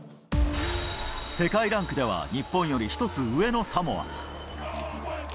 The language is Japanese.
世界ランクでは日本より１つ上のサモア。